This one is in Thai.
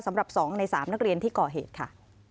สำหรับ๒ใน๓นักเรียนที่ก่อเหตุค่ะ